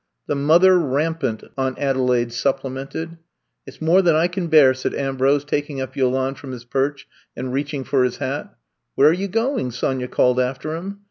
The mother rampant," Aunt Adelaide supplemented. It 's more than I can bear," said Am brose, taking up Yolande from his perch and reaching for his hat. *' Where are you going?" Sonya called after him.